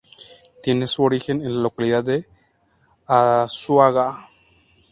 Tiene su origen en la localidad de Azuaga.